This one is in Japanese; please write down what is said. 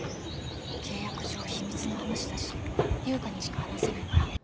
契約上秘密の話だし悠香にしか話せないから。